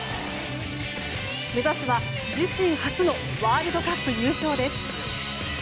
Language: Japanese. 目指すは自身初のワールドカップ優勝です。